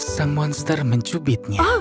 sang monster mencubitnya